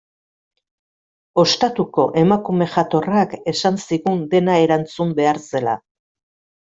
Ostatuko emakume jatorrak esan zigun dena erantzun behar zela.